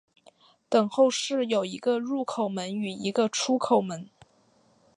等候室有一个入口门与一个出口门。